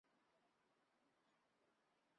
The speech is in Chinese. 从父命接任藏军前线副指挥官之职。